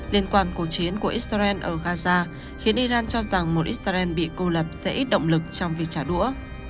liên quan cuộc chiến của israel ở gaza khiến iran cho rằng một israel bị cô lập sẽ ít động lực trong việc trả đũa